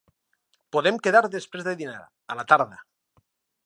Podem quedar després de dinar, a la tarda.